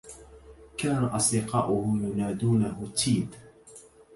كان أصدقاؤه ينادونه تيد.